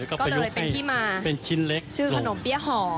ก็เลยเป็นที่มาชื่อขนมเป๊ะหอม